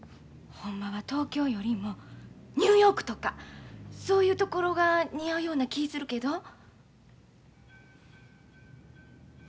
ほんまは東京よりもニューヨークとかそういう所が似合うような気ぃするけど。